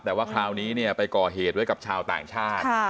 แต่ว่าคราวนี้เนี่ยไปก่อเหตุไว้กับชาวต่างชาติ